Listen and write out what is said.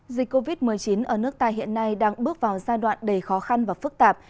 dịch covid một mươi chín ở nước ta hiện nay đang bước vào giai đoạn đầy khó khăn và phức tạp